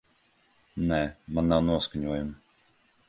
Nē, man nav noskaņojuma.